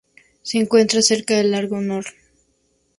Se encuentra cerca del lago Nor.